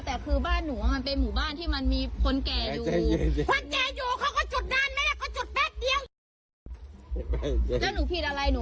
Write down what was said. มามึงมาคุยกับคุณดีสิแต่คือบ้านหนูอ่ะมันมีหมาหนู